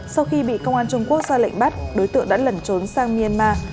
sau khi bị công an trung quốc ra lệnh bắt đối tượng đã lẩn trốn sang myanmar